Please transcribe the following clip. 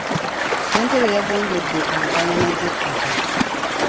Ssentebe yagonjodde enkaayana z'ettaka.